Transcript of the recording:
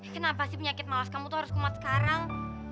kenapa sih penyakit malas kamu tuh harus kuat sekarang